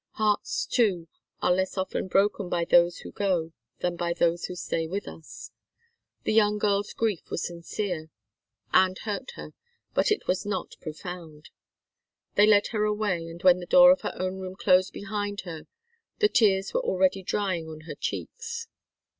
Hearts, too, are less often broken by those who go than by those who stay with us. The young girl's grief was sincere, and hurt her, but it was not profound. They led her away, and when the door of her own room closed behind her, the tears were already drying on her cheeks.